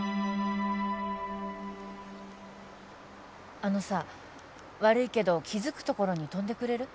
あのさ悪いけど気づくところに飛んでくれる？